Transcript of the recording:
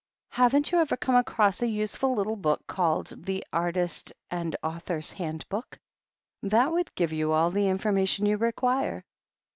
"Haven't you ever come across a useful little book called 'The Artist and Author's Handbook?' That would give you all the information you require."